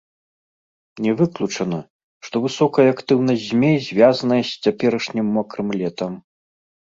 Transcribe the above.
Не выключана, што высокая актыўнасць змей звязаная з цяперашнім мокрым летам.